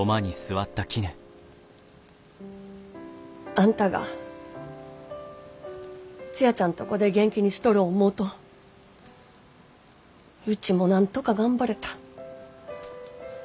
あんたがツヤちゃんとこで元気にしとる思うとウチもなんとか頑張れた。